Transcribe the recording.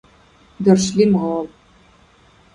— Даршлим гъал.